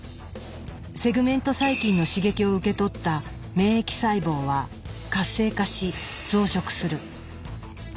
セグメント細菌の刺激を受け取った免疫細胞は活性化し増殖する。